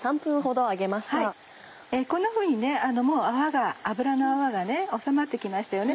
こんなふうにねもう油の泡が収まって来ましたよね。